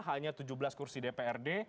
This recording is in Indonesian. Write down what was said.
hanya tujuh belas kursi dprd